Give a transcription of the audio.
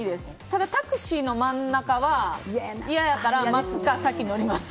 ただタクシーの真ん中は嫌やから、先に乗ります。